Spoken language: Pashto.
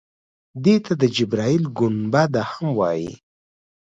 دې ته د جبرائیل ګنبده هم وایي.